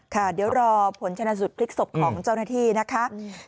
ค่ะเดี๋ยวรอผลชนะสูตรพลิกศพของเจ้าหน้าที่นะคะ